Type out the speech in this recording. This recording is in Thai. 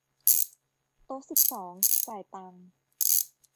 โต๊ะสิบสอง จ่ายตังค์